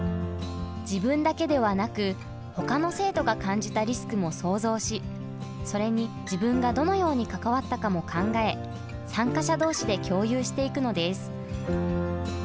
自分だけではなく他の生徒が感じたリスクも想像しそれに自分がどのように関わったかも考え参加者同士で共有していくのです。